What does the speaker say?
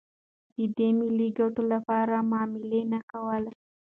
ده د ملي ګټو لپاره معامله نه کوله.